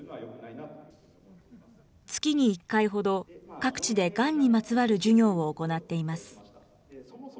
月に１回ほど各地でがんにまつわる授業を行っています。